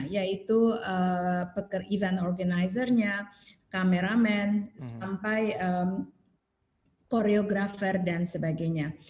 yaitu event organizer nya kameramen sampai koreografer dan sebagainya